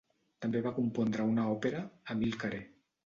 També va compondre una òpera, 'Amilcare'.